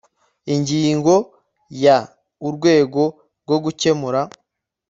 ingingo ya urwego rwo gukemura